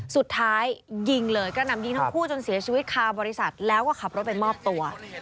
สุดท้ายยิงเลยกระหน่ำยิงทั้งคู่จนเสียชีวิตคาบริษัทแล้วก็ขับรถไปมอบตัว